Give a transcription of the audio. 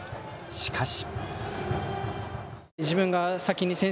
しかし。